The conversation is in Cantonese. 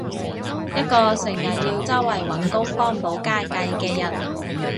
一個成日要周圍搵工幫補家計嘅人